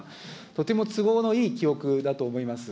とても都合のいい記憶だと思います。